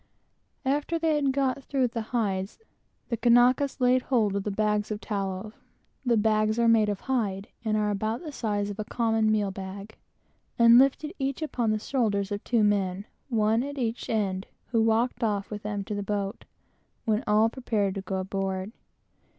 After they had got through with the hides, they laid hold of the bags of tallow, (the bags are made of hide, and are about the size of a common meal bag,) and lifting each upon the shoulders of two men, one at each end, walked off with them to the boat, and prepared to go aboard.